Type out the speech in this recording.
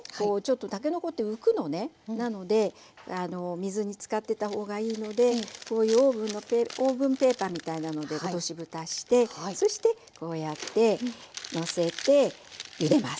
なので水につかってたほうがいいのでこういうオーブンペーパーみたいなので落としぶたしてそしてこうやってのせてゆでます。